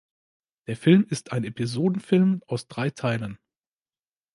Der Film ist ein Episodenfilm aus drei Teilen.